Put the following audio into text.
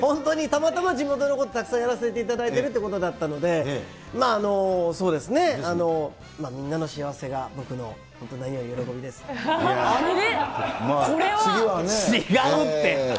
本当に、たまたま地元のことたくさんやらさせていただいているということだったんで、まあそうですね、みんなの幸せが、僕の本当に何よあれ？